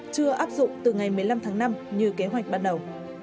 chưa áp dụng từ ngày một mươi năm tháng năm như kế hoạch ban đầu